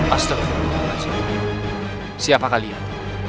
astaghfirullahaladzim siapa kalian